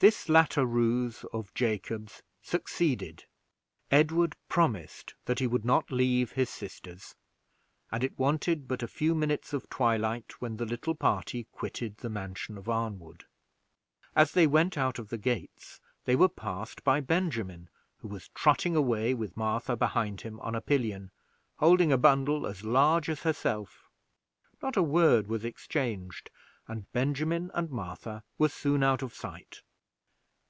This latter ruse of Jacob's succeeded. Edward promised that he would not leave his sisters, and it wanted but a few minutes of twilight when the little party quitted the mansion of Arnwood. As they went out of the gates they were passed by Benjamin, who was trotting away with Martha behind him on a pillion, holding a bundle as large as herself. Not a word was exchanged, and Benjamin and Martha were soon out of sight.